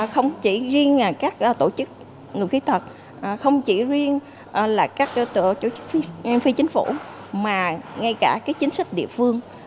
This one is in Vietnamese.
không chỉ riêng các tổ chức người khuyết tật không chỉ riêng là các tổ chức phi chính phủ mà ngay cả chính sách địa phương